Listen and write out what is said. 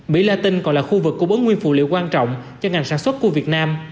mỹ la tinh còn là khu vực của bốn nguyên phụ liệu quan trọng cho ngành sản xuất của việt nam